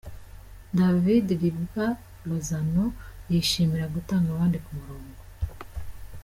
David Riba Lozano yishimira gutanga abandi ku murongo.